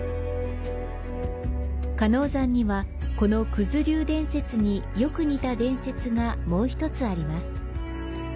鹿野山には、この九頭竜伝説によく似た伝説がもう１つあります。